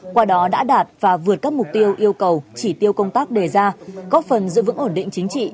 qua đó đã đạt và vượt các mục tiêu yêu cầu chỉ tiêu công tác đề ra góp phần giữ vững ổn định chính trị